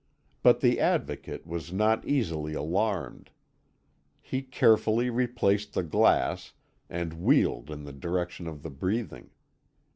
But the Advocate was not easily alarmed. He carefully replaced the glass, and wheeled in the direction of the breathing.